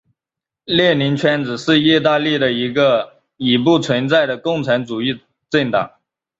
列宁圈子是意大利的一个已不存在的共产主义政党。